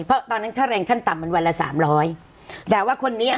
เพราะตอนนั้นค่าแรงขั้นต่ำมันวันละสามร้อยแต่ว่าคนนี้